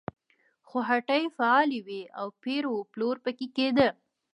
خو هټۍ فعالې وې او پېر و پلور پکې کېده.